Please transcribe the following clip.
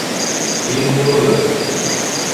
Тиҙ булығыҙ!